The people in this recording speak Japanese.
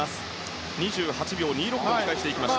２８秒２６で折り返していきました。